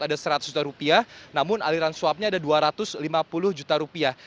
ada seratus juta rupiah namun aliran suapnya ada dua ratus lima puluh juta rupiah